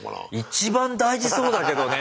一番大事そうだけどね。